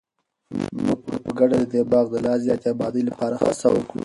موږ به په ګډه د دې باغ د لا زیاتې ابادۍ لپاره هڅه وکړو.